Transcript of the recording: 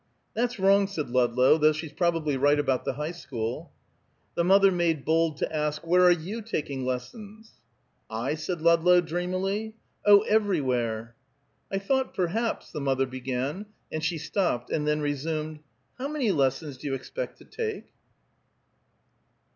"That's wrong," said Ludlow, "though she's probably right about the High School." The mother made bold to ask, "Where are you taking lessons?" "I?" said Ludlow, dreamily. "Oh! everywhere." "I thought, perhaps," the mother began, and she stopped, and then resumed, "How many lessons do you expect to take?"